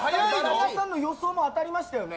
皆さんの予想も当たりましたよね。